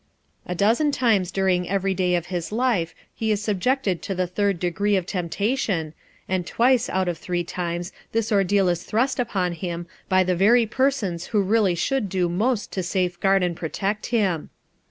A dozen times during every day of his life he is subjected to the third degree of temptation, and twice out of three times this ordeal is thrust upon him by the very persons who really should do most to safeguard and protect him.